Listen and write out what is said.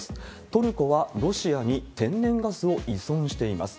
トルコはロシアに天然ガスを依存しています。